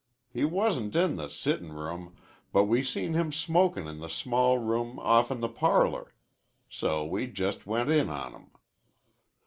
He wasn't in the sittin' room, but we seen him smokin' in the small room off'n the parlor. So we just went in on him.